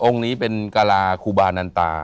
องค์นี้เป็นกาลาคุบานันตา